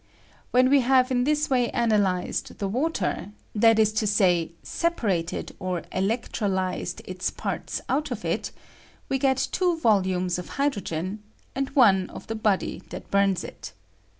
When we have in this way analyzed the water — that is to say, separated or electro lyzed its parts out of it, we get two volumes of hydrogen and one of the body that bums it.